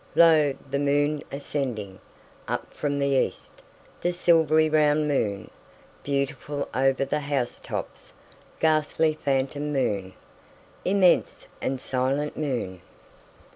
2Lo! the moon ascending! Up from the east, the silvery round moon; Beautiful over the house tops, ghastly phantom moon; Immense and silent moon.